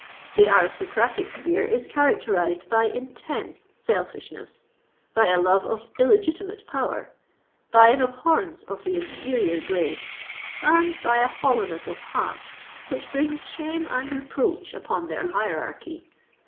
The aristocratic sphere is characterised by intense selfishness—by a love of illegitimate power—by an abhorrence of the inferior grades,—and by a hollowness of heart which brings shame and reproach upon their hierarchy.